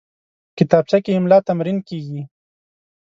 کتابچه کې املا تمرین کېږي